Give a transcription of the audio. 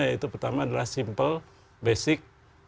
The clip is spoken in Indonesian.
yaitu pertama adalah simple basic